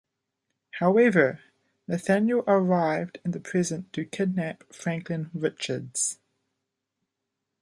However, Nathaniel arrived in the present to kidnap Franklin Richards.